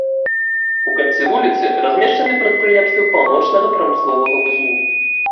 У канцы вуліцы размешчаны прадпрыемствы паўночнага прамысловага вузлу.